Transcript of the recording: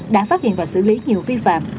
đã phát hiện và xử lý nhiều vi phạm